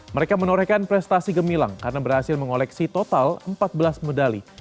mereka menorehkan prestasi gemilang karena berhasil mengoleksi total empat belas medali